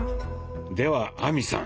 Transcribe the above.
では亜美さん